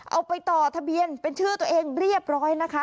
เอาไปต่อทะเบียนเป็นชื่อตัวเองเรียบร้อยนะคะ